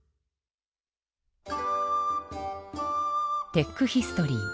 テックヒストリー。